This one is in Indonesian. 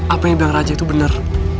apa yang bilang raja itu benar